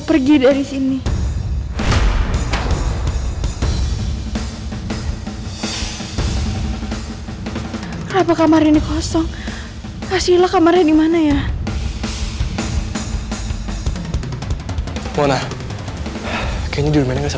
pergi dari sini apa kamar ini kosong kasihlah kamarnya dimana ya mona kayaknya di rumahnya